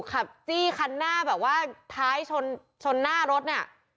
ขับจี้คันหน้าแบบว่าท้ายชนชนหน้ารถเนี่ย